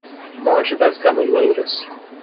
Monte das Gameleiras